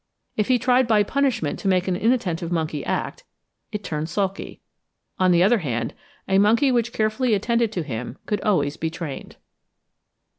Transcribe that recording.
If he tried by punishment to make an inattentive monkey act, it turned sulky. On the other hand, a monkey which carefully attended to him could always be trained.